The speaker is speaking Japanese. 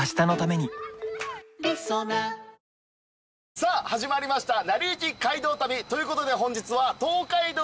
さあ始まりました『なりゆき街道旅』ということで本日は。